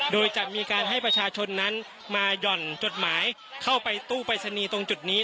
โดยจะมีการให้ประชาชนนั้นมาหย่อนจดหมายเข้าไปตู้ปรายศนีย์ตรงจุดนี้